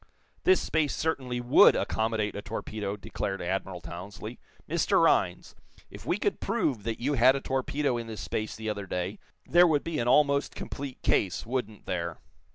"This space certainly would accommodate a torpedo," declared Admiral Townsley. "Mr. Rhinds, if we could prove that you had a torpedo in this space the other day, there would be an almost complete case, wouldn't there?"